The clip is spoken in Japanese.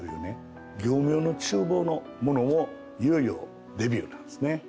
業務用の厨房のものもいよいよデビューなんですね。